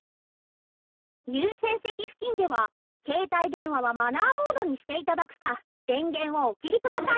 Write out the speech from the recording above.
優先席付近では携帯電話はマナーモードにして頂くか電源をお切り下さい。